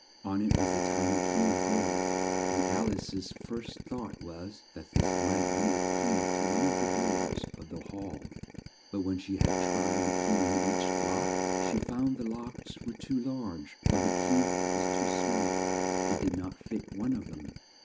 On it was a ti ny key of gold, and Al ice's first thought was that this might be a key to one of the doors of the hall, but when she had tried the key in each lock, she found the locks were too large or the key was too small it did not fit one of them.